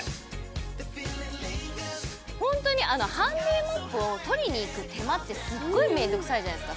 本当にハンディーモップを取りに行く手間ってすごい面倒くさいじゃないですか。